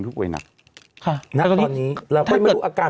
ค่ะถ้าตอนนี้ณตอนนี้เราค่อยไม่รู้อาการ